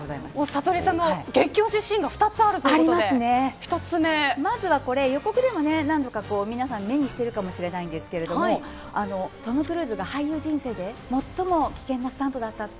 さとりさんの激推しシーンが２つあるということでまずはこれ、予告では何度か皆さん目にしているかもしれないんですがトム・クルーズが俳優人生で最も危険なスタントだったと。